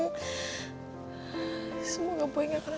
dimana yang terjadi